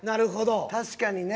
確かにね。